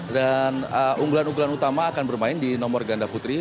dan unggulan unggulan utama akan bermain di nomor ganda putri